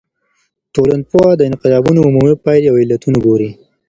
ټولنپوه د انقلابونو عمومي پايلي او علتونه ګوري.